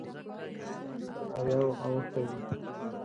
تر اویاوو اوښتی و.